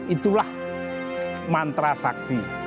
itulah mantra sakti